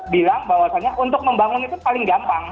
bilang bahwasannya untuk membangun itu paling gampang